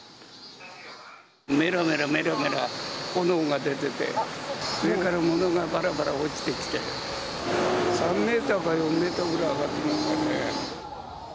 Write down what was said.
めらめらめらめら炎が出てて、上から物がばらばら落ちてきて、３メーターか４メーターぐらい上がってましたね。